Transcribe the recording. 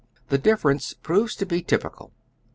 The difference proves to be typical.